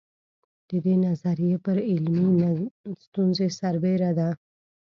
د دې نظریې پر علمي ستونزې سربېره ده.